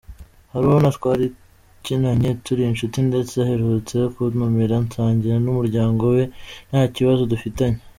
Haruna twarakinanye turi inshuti ndetse aherutse kuntumira nsangira n’umuryango we, nta kibazo dufitanye.